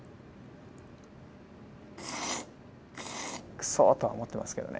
くそとは思ってますけどね。